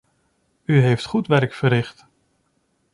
U heeft goed werk verricht.